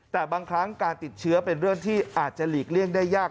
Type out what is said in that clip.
แต่บางครั้งการติดเชื้อเป็นเรื่องที่อาจจะหลีกเลี่ยงได้ยาก